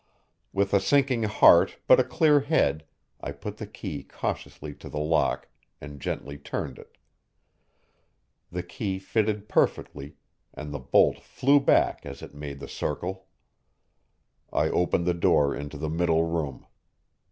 With a sinking heart but a clear head I put the key cautiously to the lock and gently turned it. The key fitted perfectly, and the bolt flew back as it made the circle. I opened the door into the middle room.